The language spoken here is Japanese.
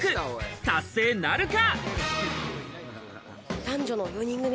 達成なるか？